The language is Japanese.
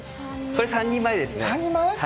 これ３人前ですね。